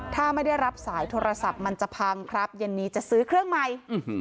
ถ้าไม่ได้รับสายโทรศัพท์มันจะพังครับเย็นนี้จะซื้อเครื่องใหม่